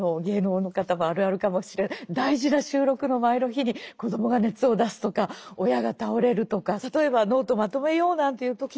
大事な収録の前の日に子供が熱を出すとか親が倒れるとか例えばノートをまとめようなんていう時にですね